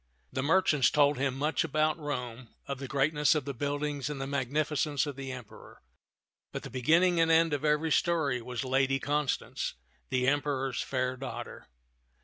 The merchants told him much about Rome, of the greatness of the buildings and the magnificence of the Emperor ; but the beginning and end of every story was Lady Constance, the Emperor's fair daughter.